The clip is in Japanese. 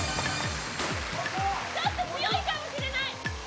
ちょっと強いかもしれない。